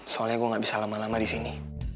soalnya gue gak bisa lama lama di sini